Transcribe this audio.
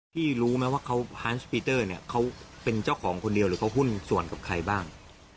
รู้ไหมว่าเขาฮานสปีเตอร์เนี่ยเขาเป็นเจ้าของคนเดียวหรือเขาหุ้นส่วนกับใครบ้าง